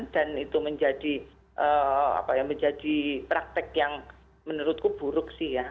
dan itu menjadi praktek yang menurutku buruk sih ya